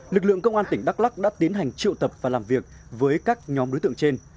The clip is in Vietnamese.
lực lượng công an tỉnh đắk lắc đã tiến hành triệu tập và làm việc với các nhóm đối tượng trên